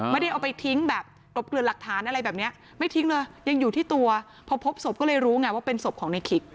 ไม่ได้เอาไปทิ้งแบบกลบเกลือนหลักฐานอะไรแบบนี้ไม่ทิ้งเลยยังอยู่ที่ตัวพอพบศพก็เลยรู้ไงว่าเป็นศพของในขิก